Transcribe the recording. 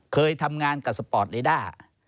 เคยทำงานกับสปอร์ตเรด้า